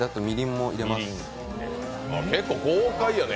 結構豪快やね。